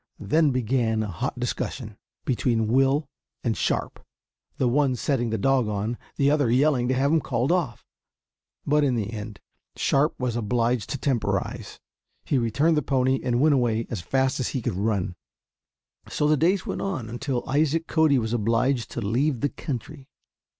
Then began a hot discussion between Will and Sharp, the one setting the dog on, the other yelling to have him called off. But in the end Sharp was obliged to temporize. He returned the pony and went away as fast as he could run. So the days went on until Isaac Cody was obliged to leave the country.